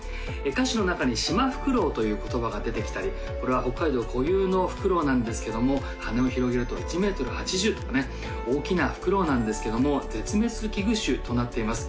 歌詞の中に「シマフクロウ」という言葉が出てきたりこれは北海道固有のフクロウなんですけども羽を広げると１メートル８０とかね大きなフクロウなんですけども絶滅危惧種となっています